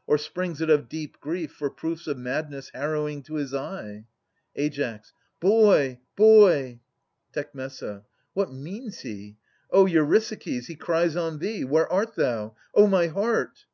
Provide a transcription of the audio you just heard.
— Or springs it of deep grief For proofs of madness harrowing to his eye ? Ai. Boy, boy ! Tec. What means he ? Oh, Eurysakes ! He cries on thee. Where art thou? O my heart!